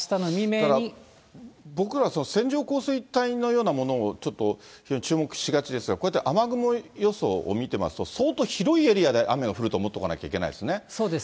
だから、僕ら、線状降水帯のようなものをちょっと注目しがちですが、こうやって雨雲予想を見てますと、相当広いエリアで雨が降ると思っておかなきゃいけないですね。